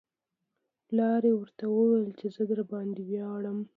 پلار یې ورته وویل چې زه درباندې ویاړم